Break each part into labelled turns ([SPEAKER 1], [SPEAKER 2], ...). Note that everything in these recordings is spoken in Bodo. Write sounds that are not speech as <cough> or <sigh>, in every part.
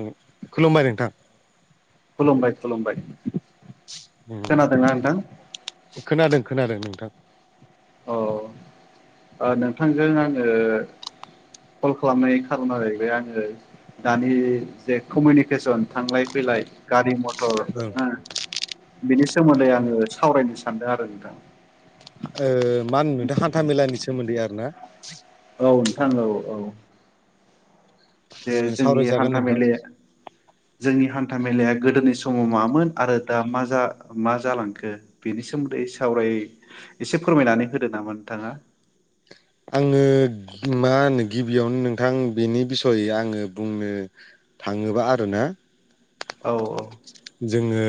[SPEAKER 1] औ खुलुमबाय नोंथां।
[SPEAKER 2] खुलुमबाय खुलुमबाय खोनादोंना नोंथां।
[SPEAKER 1] खोनादों खोनादों नोंथां।
[SPEAKER 2] अ नोंथांजों आङो। कल खालामनायनि खारना जाहैबाय आङो दानि जे कमिउनिकेसन थांलाय फैलाय। गारि मटर। बिनि सोमोन्दै आङो सावरायनो सानदों आरो नोंथां।
[SPEAKER 1] मा होनो नोंथां हान्था मेलानि सोमोन्दै आरोना।
[SPEAKER 2] औ नोंथां औ औ। जे जोंनि
[SPEAKER 1] सावरायजागोन
[SPEAKER 2] हान्था
[SPEAKER 1] नोंथां
[SPEAKER 2] मेलाया जोंनि हान्था मेलाया गोदोनि समाव मामोन आरो दा मा मा जालांखो बेनि सोमोन्दै सावराय। एसे फोरमायनानै होदो नामा नोंथाङा।
[SPEAKER 1] आङो मा होनो गिबियावनो नोंथां बेनि बिसय आङो बुंनो थाङोबा आरोना।
[SPEAKER 2] औ औ।
[SPEAKER 1] जोङो।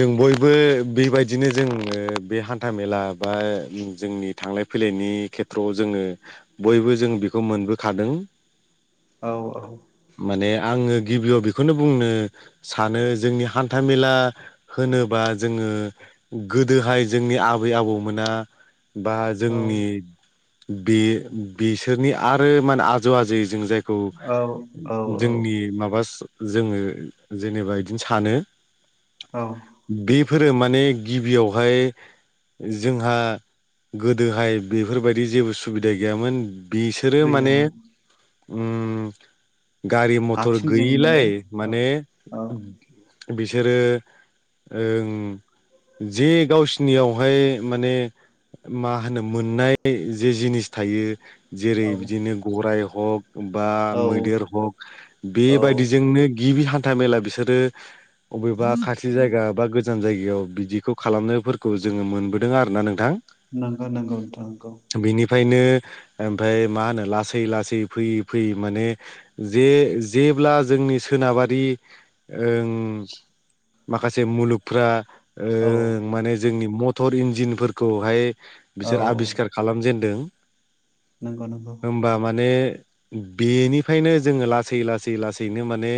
[SPEAKER 1] जों बयबो बेबायदिनो जोङो बे हान्था मेला बा जोंनि थां थांलाय फैलायनि खेथ्रआव जोङो बयबो जों बेखौ मोनबोखादों।
[SPEAKER 2] औ औ।
[SPEAKER 1] माने आङो गिबियाव बेखौनो बुंनो सानो जोंनि हान्थामेला। होनोबा जोङो गोदोहाय जोंनि आबै आबौमोना। बा
[SPEAKER 2] औ
[SPEAKER 1] जोंनि बे बिसोरनि आरो माने आजौ आजै। जों जायखौ
[SPEAKER 2] औ
[SPEAKER 1] जोंनि माबा जोङो जेनेबा बिदिनो सानो।
[SPEAKER 2] औ।
[SPEAKER 1] फोरो माने गिबियावहाय जोंहा गोदोहाय बेफोरबायदि जेबो सुबिदा गैयामोन बिसोरो माने
[SPEAKER 2] गैयामोन
[SPEAKER 1] उम गारि मथर
[SPEAKER 2] आथिंजोंनो
[SPEAKER 1] गैयिलाय
[SPEAKER 2] औ
[SPEAKER 1] माने
[SPEAKER 2] औ
[SPEAKER 1] बिसोरो ओं जे गावसिनियावहाय माने मा होनो मोननाय जे जिनिस थायो जेरै बिदिनो गराय हक बा
[SPEAKER 2] औ
[SPEAKER 1] मैदेर हक
[SPEAKER 2] औ
[SPEAKER 1] बेबायदिजोंनो गिबि हान्था मेला बिसोरो अबेबा खाथि जायगा बा गोजान जायगायाव बिदिखौ खालामनायफोरखौ जोङो मोनबोदों आरोना नोंथां ।
[SPEAKER 2] नांगौ नांगौ नोंथां नंगौ
[SPEAKER 1] ओमफ्राय ओमफाय मा होनो लासै लाै फैयै फैयै माने जे जे जेब्ला जोंनि सोनाबारि ओं माखासे मुलुगफ्रा ओ
[SPEAKER 2] औ
[SPEAKER 1] माने जोंनि मटर इन्जिनफोरखौहाय
[SPEAKER 2] औ
[SPEAKER 1] बिसोर आबिस्खार खालामजेनदों
[SPEAKER 2] नंगौ नंगौ
[SPEAKER 1] होनबा माने बेनिफ्रायनो जोङो लासै लासै लासैनो माने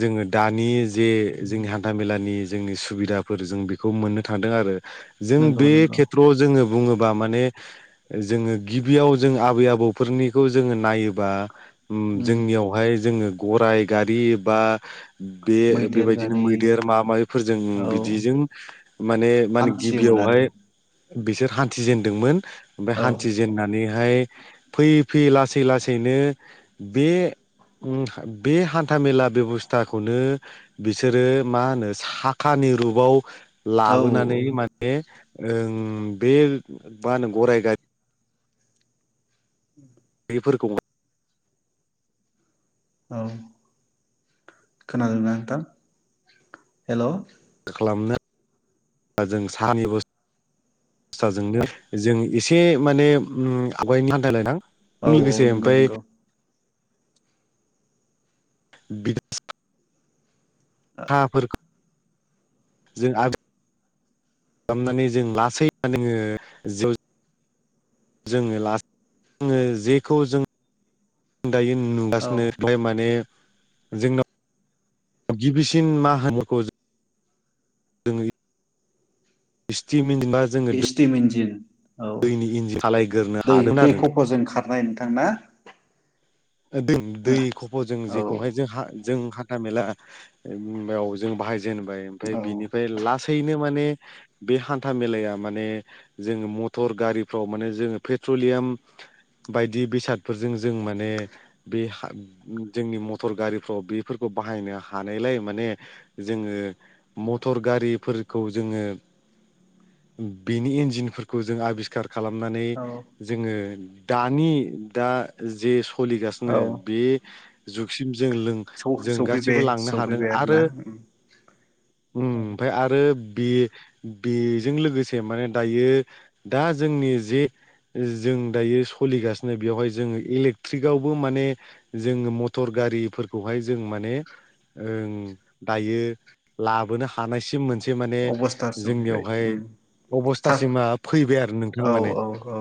[SPEAKER 1] जोङो दानि जे जोंनि हान्था मेलानि जोंनि सुबिदाफोर जों बेखौ मोननो थांदों आरो जों
[SPEAKER 2] नंगौ
[SPEAKER 1] बे
[SPEAKER 2] नंगौ
[SPEAKER 1] खेथ्रआव जोङो बुङोबा माने जोङो गिबियाव जों आबै आबौफोरनिखौ जोङो नायोबा
[SPEAKER 2] उम
[SPEAKER 1] जोंनियावहाय जोङो गराइ गारि बा बे
[SPEAKER 2] मैदेर
[SPEAKER 1] बेबायदिनो
[SPEAKER 2] गारि
[SPEAKER 1] मै गदेर माबा माबिफोरजों
[SPEAKER 2] औ
[SPEAKER 1] बिदिजों माने मा होन
[SPEAKER 2] हान्थियोमोन आरो
[SPEAKER 1] गिबियावहाय बिसोर हान्थिजेनदोंमोन ओमफ्राय
[SPEAKER 2] औ
[SPEAKER 1] हान्थिजेनन्नानैहाय फैयै फैयै लासै लासैनो बे बे हान्था मेला बेबस्थाखौनो बिसोरो मा होनो साखानि रुपाव
[SPEAKER 2] औ
[SPEAKER 1] लाबोनानै माने ओं बे मा होनो गराय गारि
[SPEAKER 2] उ
[SPEAKER 1] फोरखौ
[SPEAKER 2] औ खोनादोंना नोंथां हेल'
[SPEAKER 1] खालामनो जों साहानि <unintelligible> जों एसे माने उ आवगायनि <unintelligible>
[SPEAKER 2] औ औ
[SPEAKER 1] लोगोसे
[SPEAKER 2] नंगौ
[SPEAKER 1] ओमफ्राय
[SPEAKER 2] नंगौ
[SPEAKER 1] <unintelligible> साहाफोरखौ <unintelligible> जों <unintelligible> खालामनानै जों लासै <unintelligible> जोङो लास जेखौ जों दायो
[SPEAKER 2] औ
[SPEAKER 1] नुगासिनो ओमफ्राय माने जोंनाव गिबिसिन मा <unintelligible> जोङो स्टिम इन्जिन बा जोङो
[SPEAKER 2] एसटिम इन्जिन औ
[SPEAKER 1] दैनि इन्जिन सालायग्रोनो
[SPEAKER 2] दै
[SPEAKER 1] हादों
[SPEAKER 2] दै
[SPEAKER 1] आरो नोंथां
[SPEAKER 2] खफ'जों खारनाय नोंथां ना
[SPEAKER 1] दै खफ'जों
[SPEAKER 2] औ
[SPEAKER 1] जेखौहाय जों जों हाथा मेलायाव जों बाहायज जेनबाय ओमफाय
[SPEAKER 2] औ
[SPEAKER 1] बिनिफाय लासैनो माने बे हान्था मेलाया माने जोङो मटर गारिफ्राव माने जोङो पेट्रलियाम बायदि बेसादफोरजों जों माने बे हा जोंनि मथर गारिफ्राव बेफोरखौ बाहायनो हानायलाय माने ज जोङो मटर गारिफोरखौ जोङो
[SPEAKER 2] <unintelligible>
[SPEAKER 1] बेनि इन्जिनफोरखौ जों आबिस्खार खालामनानै
[SPEAKER 2] औ
[SPEAKER 1] जोङो दानि दा जे सोलिगासिनो
[SPEAKER 2] औ
[SPEAKER 1] बे जुगसिम जों लों
[SPEAKER 2] सौ
[SPEAKER 1] जों गासिबो
[SPEAKER 2] सौफैबाय
[SPEAKER 1] लांनो हादों
[SPEAKER 2] सौफैबाय
[SPEAKER 1] आरो
[SPEAKER 2] आरोना
[SPEAKER 1] उम ओमफाय आरो बे बेजों लोगोसे माने दायो दा जोंनि जे जों दायो सलिगासिनो बेवहाय जोङो इले एट्रिकआवबो माने जोङो मटर गारिफोरखौहाय जों माने ओ दायो लाबोनो हानायसिम मोनसे माने
[SPEAKER 2] अबस्थार सफैबाय
[SPEAKER 1] जोंनियावहाय
[SPEAKER 2] उम थाब
[SPEAKER 1] अबस्थासिमा फैबाय आरो नोंथां
[SPEAKER 2] औ
[SPEAKER 1] माने
[SPEAKER 2] औ औ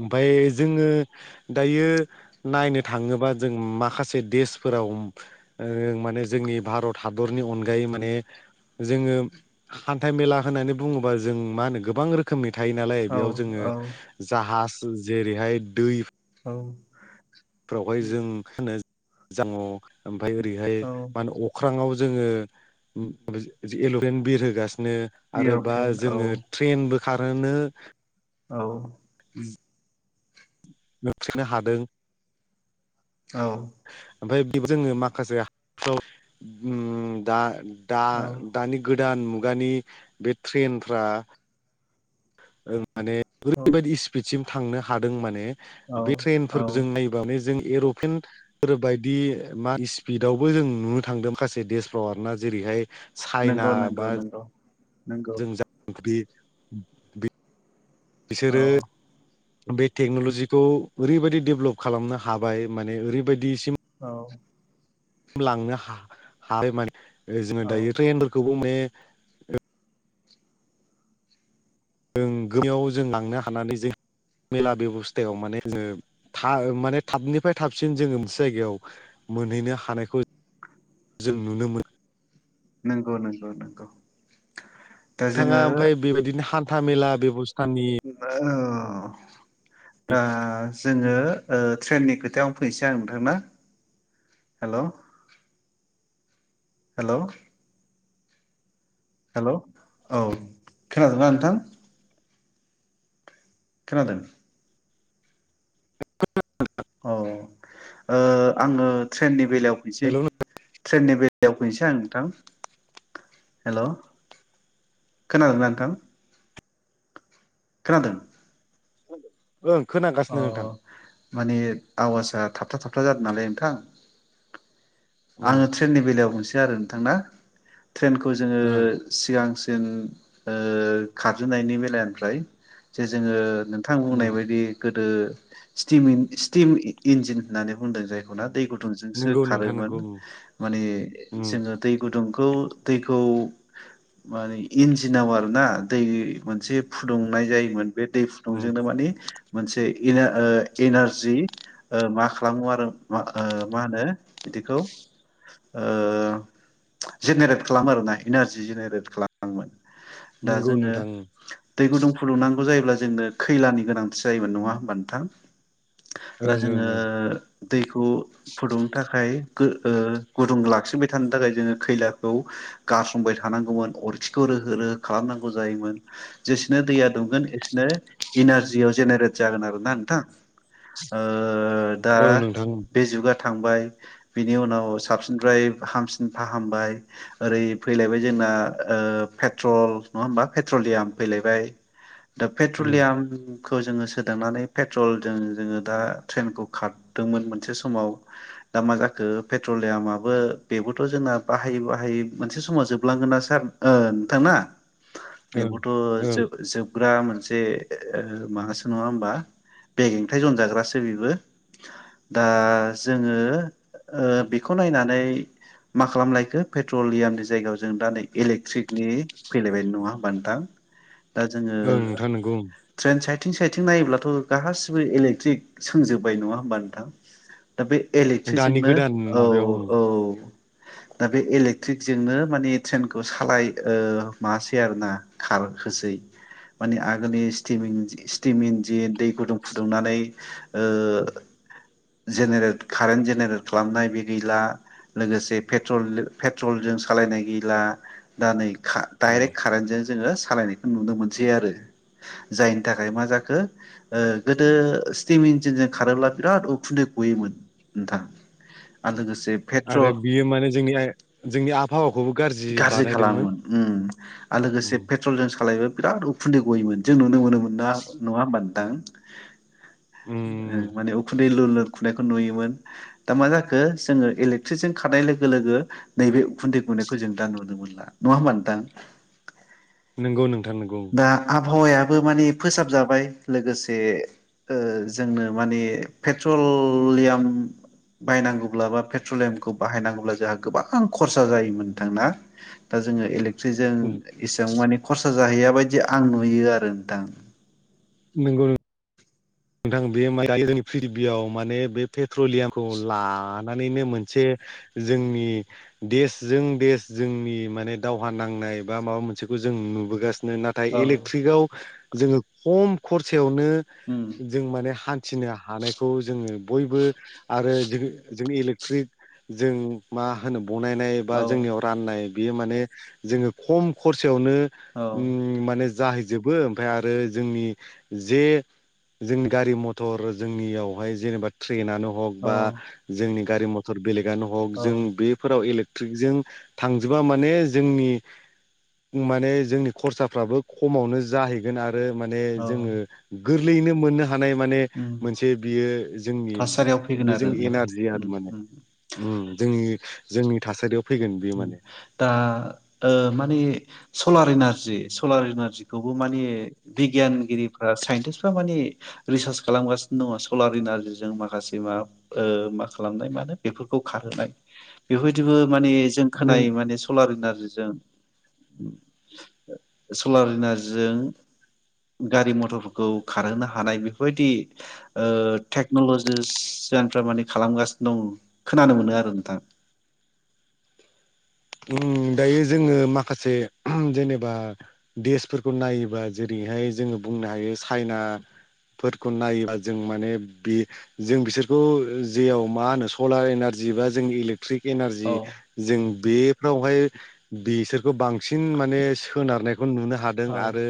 [SPEAKER 1] ओमफाय जोङो दायो नायनो थाङोबा जों माखासे देसफोराव ओ माने जोंनि बे भारत हादरनि अनगायै माने जोङो हान्थाइ मेला होननानै बुङोबा जों मा होनो गोबां रोखोमनि थायो नालाय
[SPEAKER 2] औ
[SPEAKER 1] बेयाव जोङो
[SPEAKER 2] औ
[SPEAKER 1] जाहाज जेरैहाय दै
[SPEAKER 2] औ
[SPEAKER 1] फोरावहाय जों मा होनो जाङ ओमफफ्राय ओरैहाय
[SPEAKER 2] औ
[SPEAKER 1] मा होनो अख्रांआव जोङो एल'फेन बिरहोगासिनो नो आरोबा
[SPEAKER 2] एर'प्लेन औ
[SPEAKER 1] जोङो ट्रेनबो खारहोनो
[SPEAKER 2] औ
[SPEAKER 1] <unintelligible> मिथ्रिकनो हादों
[SPEAKER 2] औ
[SPEAKER 1] आमफाय जोङो माखासे <unintelligible> उम दा दा
[SPEAKER 2] औ
[SPEAKER 1] दानि गोदो गोदान मुगानि बे ट्रेनफ्रा ओ माने ओरैबायदि स्पिडसिम थांनो हादों माने बे
[SPEAKER 2] औ औ
[SPEAKER 1] ट्रेनफोरजों नायबानो जों एर'प्लेनफोरबायायदि मा स्पिडावबो जों नुनो थांदों माखासे देशफ्राव आर ना जेरैहाय चाइना
[SPEAKER 2] नंगौ नंगौ
[SPEAKER 1] बा
[SPEAKER 2] नंगौ नंगौ
[SPEAKER 1] जों जा बिसोरो
[SPEAKER 2] औ
[SPEAKER 1] बे टेक्न'ल'जिखौ ओरैबायाददि डेभलप खालामनो हाबाय माने ओरैबायदि
[SPEAKER 2] औ
[SPEAKER 1] लांनो हाबाय मान जोङो
[SPEAKER 2] औ
[SPEAKER 1] दायो ट्रेनफोरखौबो माने जों गोमायाव जों लांनो हानानै जों मेला बेबस्थायाव माने जोङो थ माने थाबनिफ्राय थाबसिन जोङो मोनसे जायगायाव मोनहैनो हानायखौ जों नुनो मोनो
[SPEAKER 2] नंगौ नंगौ नंगौ दा
[SPEAKER 1] नोंथाङा
[SPEAKER 2] जोङो
[SPEAKER 1] ओमफफ्राय बेबायदिनो हान्था मेला बेबस्था
[SPEAKER 2] अ दा जोङो ट्रेननि खोथायावं फैनोसै आ मोनथांना हेल' हेल' हेल' औ खोनादोंना नोंथां खोनादों औ ओ आङो ट्रेननि बेलायाव फैसै
[SPEAKER 1] हेल'
[SPEAKER 2] ट्रेननि बेलायाव फैनोसै आं नोंथां हेल' खोनादोंना नोंथां खोनादों
[SPEAKER 1] ओं
[SPEAKER 2] अ
[SPEAKER 1] खोनागासिनो नोंथां
[SPEAKER 2] माने आवाज ओ थाबथा थाबथा जादों नालाय नोंथां
[SPEAKER 1] उम
[SPEAKER 2] आङो ट्रेननि बेलायाव मोनसे आरो नोंथांना ट्रेनखौ जोङो
[SPEAKER 1] ओं
[SPEAKER 2] सिगां जों खारजेननायनि बेलनिफ्राय जे जोङो नोंथां
[SPEAKER 1] उम
[SPEAKER 2] बुंनाय बायदि गोदो सितिम सितिम इनजिन होननानै बुंदों जायखौना गुदुंसो
[SPEAKER 1] नंगौ नोंथां
[SPEAKER 2] खारोमोन
[SPEAKER 1] नंगौ उम
[SPEAKER 2] माने
[SPEAKER 1] उम
[SPEAKER 2] जोङो दै गुदुं खौ दैखौ माने इन्जिनाव आरो ना दै मोनसे फुदुंनाय जायोमोन बे दै
[SPEAKER 1] उम
[SPEAKER 2] फुदुंजोंनो माने मोनसे ओ इनारजि ओ मा खालामो आरो ओ मा होनो बिदिखौ ओ जेनेरेट खालामो आरोना इनारजि जेनेरेट खालामोमोन दा
[SPEAKER 1] नंगौ
[SPEAKER 2] जोङो
[SPEAKER 1] नोंथां ओं
[SPEAKER 2] दै गुदुं फुदुंनांगौ जायोब्ला जोंनो खैलानि गोनां सै जायोमोना नंआ होमबा नोंथां दा जोङो
[SPEAKER 1] ओं ओं
[SPEAKER 2] दैखौ फुदुंनो थाखाय ओ गुदुं लाखिनबाय थानो थाखाय जोङो खैलाखौ गारसंबाय थानांगौमोन अरथखखौ खालामनांगौ जायोमोन जेसेनो दैया दुंगोन एसेनो इनारजि याव जेनेरेट जागोन आरोना नोंथां ओ दा
[SPEAKER 1] औ नोंथां
[SPEAKER 2] बे जुगा थांबाय बिनि उनाव साबसिननिफ्राय हामसिन फाहामबाय ओरै फैलायबाय जों आ ओ पेट्रल नङा हबा पेट्रलियाम फैलायबाय दा
[SPEAKER 1] ओं
[SPEAKER 2] पेट्रलियाम खौ जोङो सोदांनानै पेट्रल जों जोङो दा ट्रेनखौ खारदोंमोन मोनसे समाव दा मा जाखो पेट्रलियामाबो बेबोथ' जोंना बाहायै बाहायै मोनसे समाव जोबलांगोन ना सार ओ नोंथां
[SPEAKER 1] ओं
[SPEAKER 2] बेबोथ'
[SPEAKER 1] ओं
[SPEAKER 2] जोबग्रा मोनसे मासो नङा होमबा बेगेेंथायाइ जनजाग्रासो बेबो दा जोङो ओ बेखौ नायनानै मा खालामलायखो पेट्रलियामनि जायगायाव जों दा नै इलेक्ट्रिकनि फैलायबाय नङा होमबा नोंथां दा जोङो
[SPEAKER 1] ओं नोंथां नंगौ
[SPEAKER 2] ट्रेन साइद सायथिं सायथिं नायोब्लाथ' गासिबो इलेक्ट्रिक सोंजोबबाय नङा होमबा नोंथां दा बे इलेक्ट्रिक
[SPEAKER 1] दानि
[SPEAKER 2] जोंनो
[SPEAKER 1] गोदान
[SPEAKER 2] औ
[SPEAKER 1] माबायाव ओं
[SPEAKER 2] औ दा बे इलेक्ट्रिक जोंनो माने ट्रेनखौ सालाय ओ माबासै आरो ना खार होसै माने आगोलनि स्थिमिं स्टिम इन्जि दै गुदुं फुदुंनानै ओ जेनेरेट कारेन्ट जेनेरेल खालामनाय बे गैला लोगोसेे पेट्रोल पेट्रलजों जों सालायनाय गैला दा नै
[SPEAKER 1] उम
[SPEAKER 2] डाइरेक्ट कारेन्टजों जोङो सालायनायखौ नुनो मोनसै आरो जायनि थाखाय मा जाखो गोदो स्टिम इन्जिनजों खारोब्ला बिराद उखुन्दै गयोमोन नोंथां आरो लोगोसे
[SPEAKER 1] आरो
[SPEAKER 2] पेट्रल
[SPEAKER 1] बियो माने जोंनि जोंनि आबहावाखौबो
[SPEAKER 2] गाज्रि
[SPEAKER 1] बानायदोंमोन
[SPEAKER 2] खालामोन ओम आरो लोगोसे
[SPEAKER 1] उम
[SPEAKER 2] पेट्रलजों सालायब्ला बिराद उखुन्दै गयोमोन जों नुनो मोनोमोन <unintelligible> ओम
[SPEAKER 1] उम
[SPEAKER 2] माने उखुन्दै लोर लोर खुनायखौ नुयोमोन दा मा जाखो जोङो इलेकट्रिक जों खारनाय लोगो लोगो नैबे उखुन्दै गुनायखौ जों दा नुनो मोनला नङा होमबा नोंथां
[SPEAKER 1] नंगौ नोंथां नंगौ
[SPEAKER 2] दा आबहावायाबो माने फोसाबजाबाय लोगोसे जोंनो माने पेट्रलियाम बाहायनांगौब्ला बा पेट्रलियामखौ बाहायनांगौब्ला जोंहा गोबां खरसा जायोमोन नोंथांना दा जोङो इलेकट्रिक जों इसेबां माने खरसा जाहैया बायदि आं नुयो आरो नोंथां
[SPEAKER 1] नंगौ नों नोंथां बे म जोंनि प्रिबियाव माने बे पेट्रलियामखौ लानानैनो मोनसे जोंनि देशजों देश जोंनि माने दावहा नांनाय बा माबा मोनसेखौ जों नुबोगासिनो नाथाय
[SPEAKER 2] औ
[SPEAKER 1] इलेट्रिक आव जोङो खम खरसायावनो
[SPEAKER 2] उम
[SPEAKER 1] जों माने हा नथिनो हानायखौ जोङो बयबो आरो जों जों इलेक्ट्रिक जों मा होनो बनायनाय
[SPEAKER 2] औ
[SPEAKER 1] बा जोंनियाव राननाय बेयो माने जोङो खम खरसायावनो
[SPEAKER 2] औ
[SPEAKER 1] ओम माने जाहैजोबो ओमफ्राय आरो जोंनि जे जोंनि गारि मथर जोंनियावहाय जेनेबा ट्रेनानो हक बा
[SPEAKER 2] औ
[SPEAKER 1] जोंनि गारि मथर बेलेगआनो
[SPEAKER 2] औ
[SPEAKER 1] जों बेफोराव इलेक- ट्रिकजों थांजोबा माने जोंनि माने जोंनि खरसाफ्राबो खमावनो जाहैगोन आरो माने जोङो
[SPEAKER 2] औ
[SPEAKER 1] गोरलैयैनो मोननो हा- नाय माने
[SPEAKER 2] उम
[SPEAKER 1] मोनसे बियो जोंनि
[SPEAKER 2] थासारियाव फैगोन
[SPEAKER 1] बे
[SPEAKER 2] आरो
[SPEAKER 1] जों एनारजि आरो
[SPEAKER 2] उम
[SPEAKER 1] माने
[SPEAKER 2] उम
[SPEAKER 1] उम जोंनि जोंनि थासारियाव फैगोन बेयो माने
[SPEAKER 2] दा ओ माने सलार इनारजि सलार इनारजिखौबो माने बिगियानगिरिफ्रा साइन्टिस्टफ्रा माने रिसार्च खालामगासिनो दङ सलार इनारजिजों माखासे मा ओ मा खालामनाय मानो बेफोरखौ खार- होनाय बेफोरबायदिबो माने जों
[SPEAKER 1] नों
[SPEAKER 2] खोनायो माने सलार इनारजिजों सलार इनारजिजों गारि मथरफोरखौ खारहोनो हानाय बेफोरबायदि ओ टेक्नलजिस सिगानफोरा माने खालामगासिनो दं खोनानो मोनो आरो नोंथां
[SPEAKER 1] उम दायो जोङो माखासे जेनेबा देसफोरखौ नायोबा जेरै बेहाय जोङो बुंनो हायो चाइना फोरखौ नायोबा जों माने बे जों बिसोरखौ जेयाव मा होनो सलार एनारजि जिबा जों इलेकट्रिक एनारजि
[SPEAKER 2] औ
[SPEAKER 1] जों बे फ्रोवहाय बिसोरखौ बांसिन माने सोनारनाय खौ नुनो हादों
[SPEAKER 2] औ
[SPEAKER 1] आरो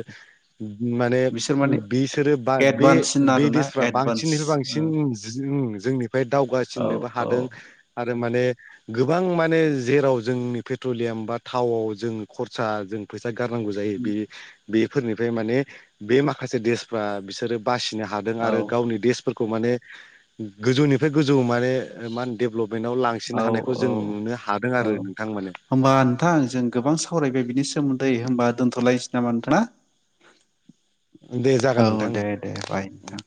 [SPEAKER 1] माने
[SPEAKER 2] बिसोर माने
[SPEAKER 1] बिसोरो बा बे
[SPEAKER 2] एडभान्ससिन आरोना
[SPEAKER 1] बेेश्रा
[SPEAKER 2] एडभान्स
[SPEAKER 1] बांसिननिफ्राय बांसिन <unintelligible> जोंनिफ्राय
[SPEAKER 2] औ
[SPEAKER 1] दावगासिननोबो हादों आरो माने गोबां माने जेराव जोंनि पेट्रलियाम बा थावाव जों खरसा जों फैसा गारनांगौ जायो बे बेफोरनिफ्राय माने बे माखासे देसफ्रा बिसोरो बासिनो हादों
[SPEAKER 2] औ
[SPEAKER 1] आरो गावनि देस फोरखौ माने गोजौनिफ्राय गोजौ मा माने मा होनो डेभलपमेन्टाव
[SPEAKER 2] औ
[SPEAKER 1] लांसिननो हानायखौ जों
[SPEAKER 2] औ
[SPEAKER 1] नुनो हादों आरो नोंथां माने।
[SPEAKER 2] होमबा नोंथां जों गोबां सावरायबाय बिनि सोमोन्दै होमबा दोनथ'लायनोसै नामा नोंथाङा?
[SPEAKER 1] दे जागोन
[SPEAKER 2] औ
[SPEAKER 1] नोंथां
[SPEAKER 2] दे-दे बाय नोंथां।